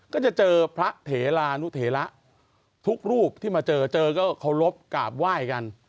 ก็จะเจอพระเถลานุเถระทุกรูปที่มาเจอเจอก็เคารพกราบไหว้กัน